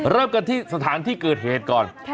เริ่มกันที่สถานที่เกิดเหตุก่อน